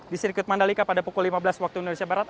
di sirkuit mandalika pada pukul lima belas waktu indonesia barat